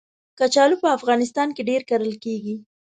کچالو په افغانستان کې ډېر کرل کېږي